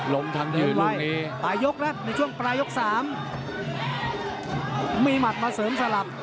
ลงทางยืนรุ่งนี้ประยกละในช่วงประยกสามมีหมัดมาเสริมสลับ